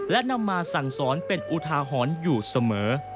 และนำมาสั่งสอนเป็นอุทาหรณ์อยู่เสมอ